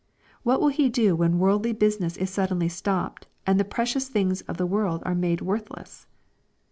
What will he do when worldly business is suddenly stopped and the precious things of the world Jire made worthless